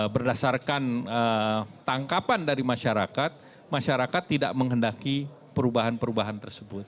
berdasarkan tangkapan dari masyarakat masyarakat tidak menghendaki perubahan perubahan tersebut